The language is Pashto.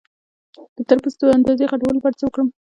د تربوز د اندازې غټولو لپاره څه وکړم؟